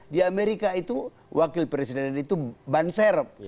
di amerika itu wakil presiden itu banser